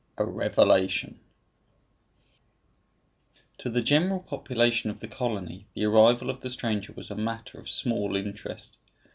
A REVELATION To the general population of the colony the arrival of the stranger was a matter of small interest.